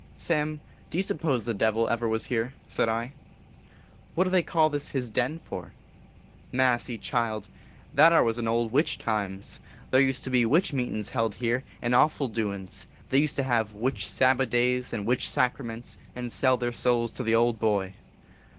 " Sam, do you suppose the Devil ever was here ?" said I. " What do they call this his den for ?"" Massy, child ! that are was in old witch times. There used to be witch meetins held here, and awful doins ; they used to have witch sabba days and 194 OLDTOWN FIRESIDE STORIES. witch sacraments, arid sell their souls to the old boy."